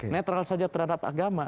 netral saja terhadap agama